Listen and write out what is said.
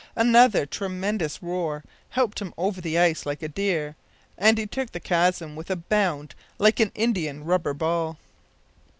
Another tremendous roar helped him over the ice like a deer, and he took the chasm with a bound like an India rubber ball.